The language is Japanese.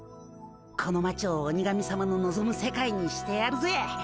この町を鬼神さまののぞむ世界にしてやるぜ。